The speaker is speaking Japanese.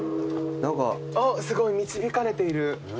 あっすごい導かれている。